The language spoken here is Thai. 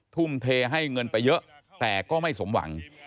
ทุ่มเทให้เงินไปเยอะแต่ก็ไม่สมหวัง